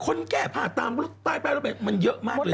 คนแก้ผ้าตามรถตายไปรถไปมันเยอะมากเลย